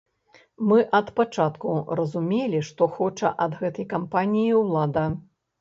Мы ад пачатку разумелі, што хоча ад гэтай кампаніі ўлада.